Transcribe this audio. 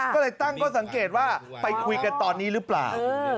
ก็เลยตั้งข้อสังเกตว่าไปคุยกันตอนนี้หรือเปล่า